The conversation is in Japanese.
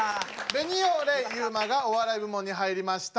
ベニオレイユウマがお笑い部門に入りました。